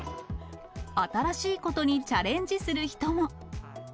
新しいことにチャレンジする人も。